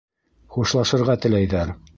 Хушлашырға теләйҙәр.